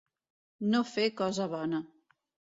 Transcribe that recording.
No fer cosa bona.